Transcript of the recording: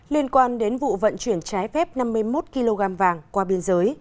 liên quan đến vụ vận chuyển trái phép năm mươi một kg vàng qua biên giới